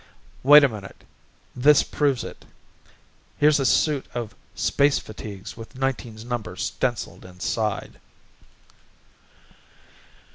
Wait a minute, this proves it. Here's a suit of space fatigues with Nineteen's number stenciled inside."